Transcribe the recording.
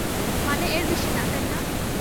মানে, এর বেশি না, তাই না?